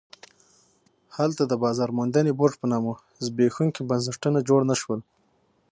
هلته د بازار موندنې بورډ په نامه زبېښونکي بنسټونه جوړ نه شول.